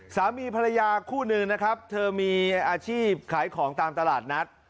สามีภรรยาคู่หนึ่งนะครับเธอมีอาชีพขายของตามตลาดนัด